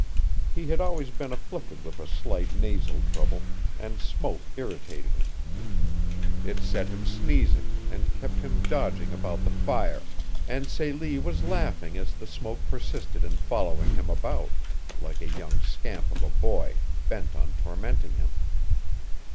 He had always been afflicted with a slight nasal trouble, and smoke irritated him. It set him sneezing, and kept him dodging about the fire, and Celie was laughing as the smoke persisted in following him about, like a young scamp of a boy bent on tormenting him.